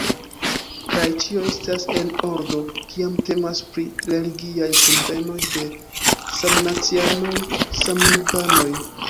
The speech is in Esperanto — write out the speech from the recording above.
Kaj ĉio estas en ordo, kiam temas pri religiaj kunvenoj de samnacianoj, samlingvanoj.